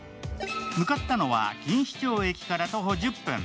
向かったのは錦糸町駅から徒歩１０分。